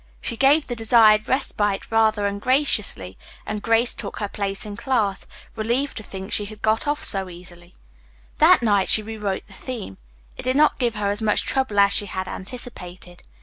She gave the desired respite rather ungraciously and Grace took her place in class, relieved to think she had got off so easily. That night she rewrote the theme. It did not give her as much trouble as she had anticipated.